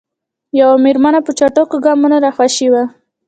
یوه میرمن په چټکو ګامونو راخوشې وه.